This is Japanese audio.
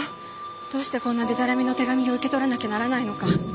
どうしてこんなデタラメの手紙を受け取らなきゃならないのか。